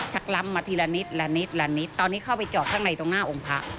ชักล้ำมาทีละนิดตอนนี้เข้าไปจอกข้างในตรงหน้าองค์พระ